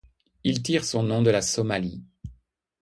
Il tire son nom de la Somalie.